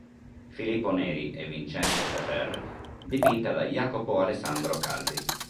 Filippo Neri e Vincenzo Ferrer" dipinta da Jacopo Alessandro Calvi.